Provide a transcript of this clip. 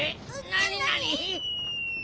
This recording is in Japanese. なになに？